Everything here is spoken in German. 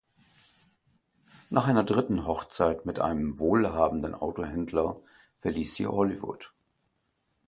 Nach einer dritten Hochzeit mit einem wohlhabenden Autohändler verließ sie Hollywood.